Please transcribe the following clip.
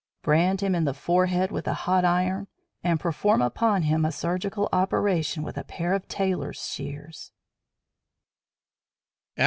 brand him in the forehead with a hot iron and perform upon him a surgical operation with a pair of tailor's shears.